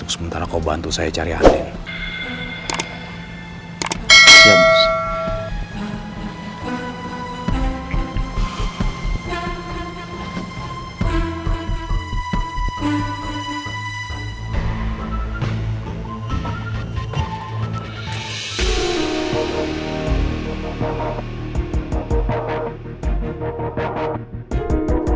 sementara kau bantu saya cari hal ini